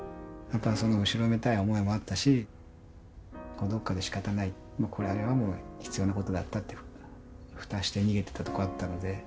やっぱりその後ろめたい思いもあったしどこかでしかたないあれはもう必要なことだったと蓋して逃げていたところあったので。